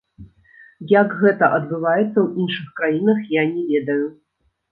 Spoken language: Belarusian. Як гэта адбываецца ў іншых краінах, я не ведаю.